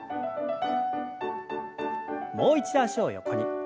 もう一度脚を横に。